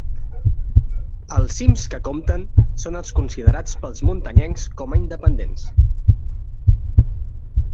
Els cims que compten són els considerats pels muntanyencs com a independents.